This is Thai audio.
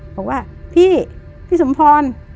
บอกว่าพี่พี่สมพร